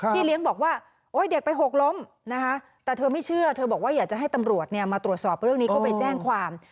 เลี้ยงบอกว่าเด็กไปหกล้มนะคะแต่เธอไม่เชื่อเธอบอกว่าอยากจะให้ตำรวจมาตรวจสอบเรื่องนี้ก็ไปแจ้งความ